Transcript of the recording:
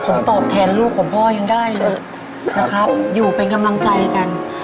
ผมตอบแทนลูกของพ่อยังได้เลยนะครับอยู่เป็นกำลังใจกัน